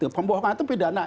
pembohongan itu pidana